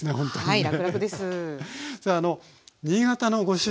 はい。